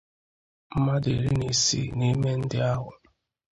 mmadụ iri na isii n'ime ndị ahụ